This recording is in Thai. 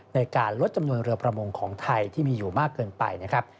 ในการลดจำนวนเรือประมงของไทยที่มีอยู่มากเกินไปนะครับ